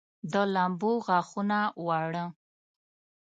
د لمبو غاښونه واړه